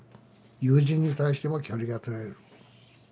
友人に対しても距離が取れる。